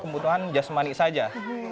apa kebutuhan jasmani saja